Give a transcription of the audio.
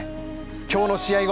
今日の試合後